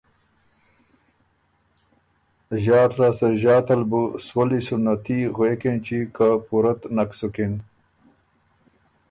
ݫات لاسته ݫات ال بُو ”سولّی سُونَتي“ غوېک اېنچی که پُوره ت نک سُکِن